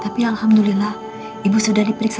tapi alhamdulillah ibu sudah diperiksa